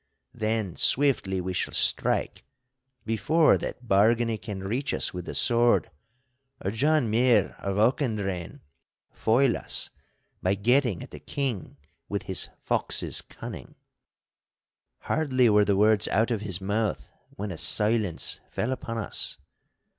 Then swiftly we shall strike, before that Bargany can reach us with the sword, or John Muir of Auchendrayne foil us by getting at the King with his fox's cunning.' Hardly were the words out of his mouth when a silence fell upon us.